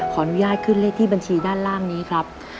อนุญาตขึ้นเลขที่บัญชีด้านล่างนี้ครับ